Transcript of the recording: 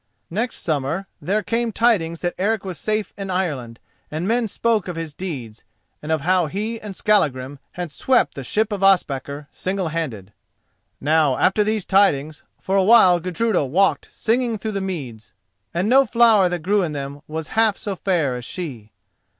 Next summer there came tidings that Eric was safe in Ireland, and men spoke of his deeds, and of how he and Skallagrim had swept the ship of Ospakar single handed. Now after these tidings, for a while Gudruda walked singing through the meads, and no flower that grew in them was half so fair as she.